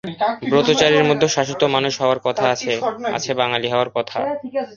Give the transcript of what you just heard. ব্রতচারীর মধ্যে শাশ্বত মানুষ হওয়ার কথা আছে, আছে বাঙালি হওয়ার কথা।